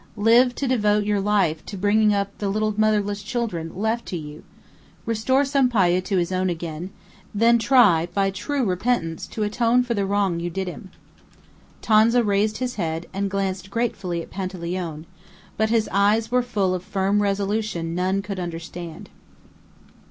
Live to devote your life to bringing up the little motherless children left to you. Restore Sampayo to his own again; then try, by true repentance, to atone for the wrong you did him." Tonza raised his head, and glanced gratefully at Panteleone; but his eyes were full of firm resolution none could understand.